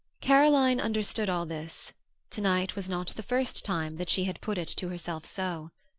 Caroline understood all this; tonight was not the first time that she had put it to herself so.